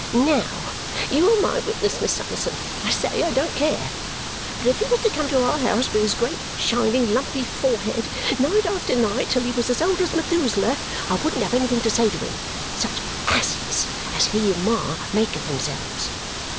"Now, you are my witness, Miss Summerson, I say I don't care but if he was to come to our house with his great, shining, lumpy forehead night after night till he was as old as Methuselah, I wouldn't have anything to say to him. Such ASSES as he and Ma make of themselves!"